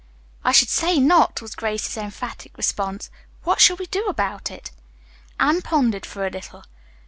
"I should say not," was Grace's emphatic response. "What shall we do about it?" Anne pondered for a little.